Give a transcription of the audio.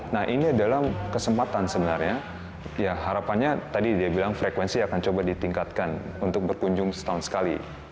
nah ini adalah kesempatan sebenarnya ya harapannya tadi dia bilang frekuensi akan coba ditingkatkan untuk berkunjung setahun sekali